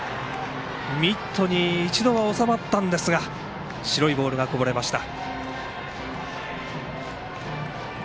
ミットに一度は収まったんですが白いボールがこぼれました。